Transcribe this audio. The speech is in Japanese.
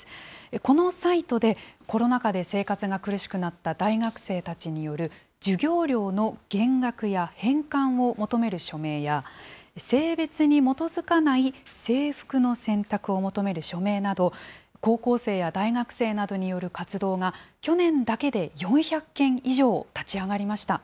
このサイトでコロナ禍で生活が苦しくなった大学生たちによる授業料の減額や返還を求める署名や、性別に基づかない制服の選択を求める署名など、高校生や大学生などによる活動が、去年だけで４００件以上、立ち上がりました。